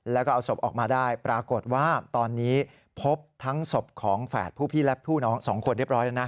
แล้วก็เอาศพออกมาได้ปรากฏว่าตอนนี้พบทั้งศพของแฝดผู้พี่และผู้น้องสองคนเรียบร้อยแล้วนะ